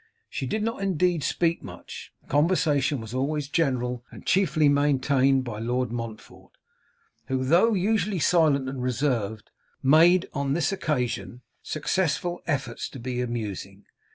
She did not, indeed, speak much; the conversation was always general, and chiefly maintained by Lord Montfort, who, though usually silent and reserved, made on this occasion successful efforts to be amusing.